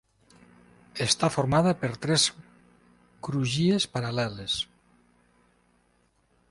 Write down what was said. Està formada per tres crugies paral·leles.